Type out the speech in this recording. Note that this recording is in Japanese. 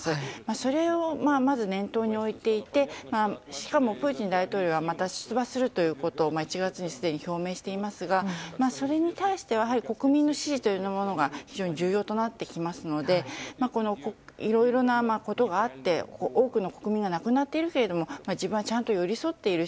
それをまず、念頭に置いていてしかもプーチン大統領はまた、出馬するということを１月にすでに表明していますがそれに対してはやはり国民の支持というものが非常に重要となってきますのでいろいろなことがあって多くの国民が亡くなっているけれども自分はちゃんと寄り添っているし